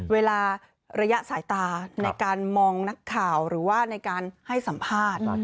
ระยะสายตาในการมองนักข่าวหรือว่าในการให้สัมภาษณ์